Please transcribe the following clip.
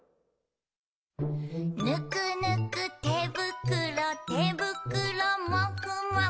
「ぬくぬくてぶくろてぶくろもふもふ」